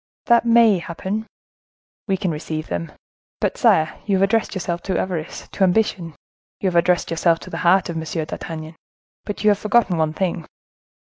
"That may happen." "We can receive them! But, sire, you have addressed yourself to avarice, to ambition; you have addressed yourself to the heart of M. d'Artagnan, but you have forgotten one thing."